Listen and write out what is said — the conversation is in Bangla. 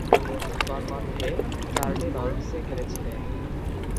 তন্মধ্যে, চারটি লর্ডসে খেলেছিলেন।